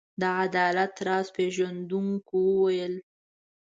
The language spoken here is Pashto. د عدالت راز پيژندونکو وویل.